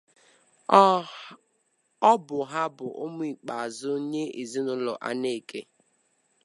Ọ bụ ha bụ ụmụ ikpeazụ nye ezinụlọ Aneke.